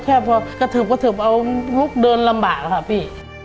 แค่พอกระทืบกระทืบเอาลุกเดินลำบากค่ะพี่